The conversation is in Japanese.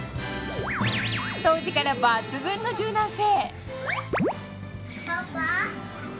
当時から抜群の柔軟性。